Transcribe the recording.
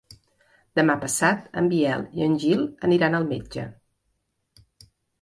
Demà passat en Biel i en Gil aniran al metge.